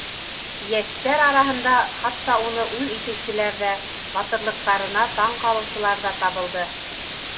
Йәштәр араһында хатта уны үҙ итеүселәр ҙә, батырлыҡтарына таң ҡалыусылар ҙа табылды.